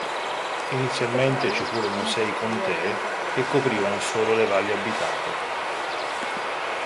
Inizialmente ci furono sei contee, che coprivano solo le valli abitate.